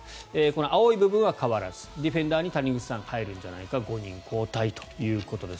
青い部分は変わらずディフェンダーに谷口さんが入るんじゃないか５人交代ということです。